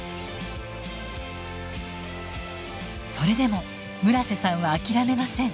それでも村瀬さんは諦めません。